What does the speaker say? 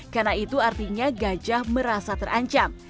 karena itu artinya gajah merasa terancam